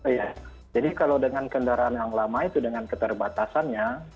iya jadi kalau dengan kendaraan yang lama itu dengan keterbatasannya